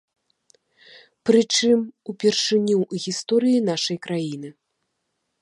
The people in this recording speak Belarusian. Прычым, упершыню ў гісторыі нашай краіны.